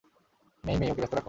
মেই-মেই, okay ব্যস্ত রাখো।